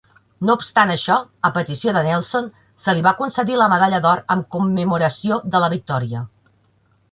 No obstant això, a petició de Nelson, se li va concedir la medalla d'or en commemoració de la victòria.